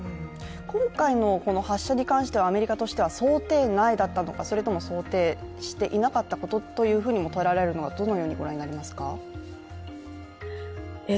今回の発射としてはアメリカとしては想定外ということなのかそれとも想定していなかったこととも捉えれるのか、どのように思われますか？